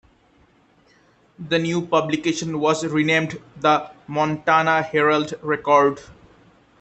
The new publication was renamed the "Montana Herald-Record".